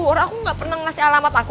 orang aku gak pernah ngasih alamat aku